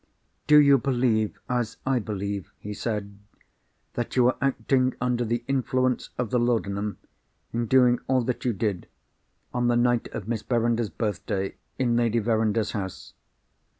"Do you believe as I believe," he said, "that you were acting under the influence of the laudanum in doing all that you did, on the night of Miss Verinder's birthday, in Lady Verinder's house?"